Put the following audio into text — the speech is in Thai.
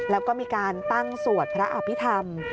แล้วก็มีการตั้งสวดพระอภิษฐรรม